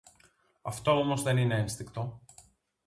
Αυτό όμως δεν είναι ένστικτο